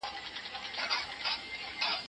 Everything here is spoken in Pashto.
موږ به د واده مصارف کم کړو.